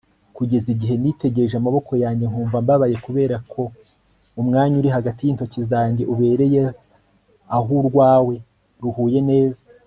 kugeza igihe nitegereje amaboko yanjye nkumva mbabaye kuberako umwanya uri hagati y'intoki zanjye ubereye aho urwawe ruhuye neza